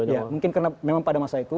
ya mungkin karena memang pada masa itu